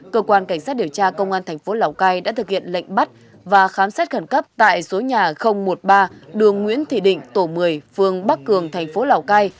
cơ quan cảnh sát điều tra công an thành phố lào cai đã thực hiện lệnh bắt và khám xét khẩn cấp tại số nhà một mươi ba đường nguyễn thị định tổ một mươi phương bắc cường thành phố lào cai